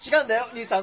兄さん